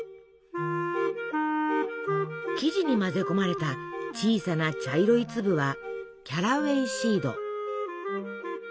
生地に混ぜ込まれた小さな茶色い粒はキャラウェイシード。